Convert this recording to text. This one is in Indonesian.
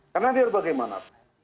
karena biar bagaimana